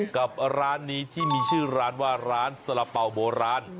กับร้านนี้ที่มีชื่อร้านว่าร้านสละเป๋าโบราณ